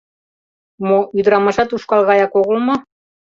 Мо, ӱдырамашат ушкал гаяк огыл мо?